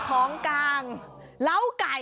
ของกลางเล้าไก่